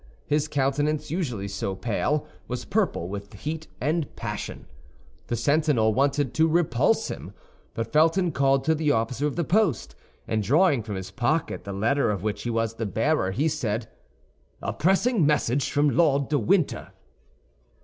His countenance, usually so pale, was purple with heat and passion. The sentinel wanted to repulse him; but Felton called to the officer of the post, and drawing from his pocket the letter of which he was the bearer, he said, "A pressing message from Lord de Winter."